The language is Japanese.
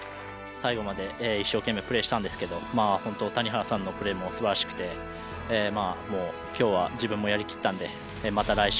最後まで一生懸命プレーしたんですけど、本当、谷原さんのプレーもすばらしくて今日は自分もやりきったんでまた来週